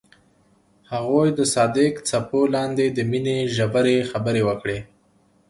هغوی د صادق څپو لاندې د مینې ژورې خبرې وکړې.